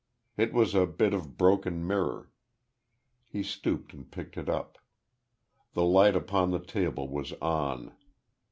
It was a bit of broken mirror.... He stooped and picked it up. The light upon the table was on.